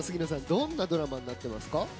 どんなドラマになっていますか？